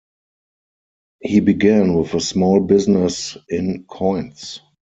He began with a small business in coins.